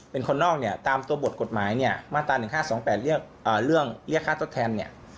เป็นคนนอกเนี่ยตามตัวบทกฎหมายเนี่ยมาตรา๑๕๒๘เรื่องเรียกค่าทดแทนเนี่ย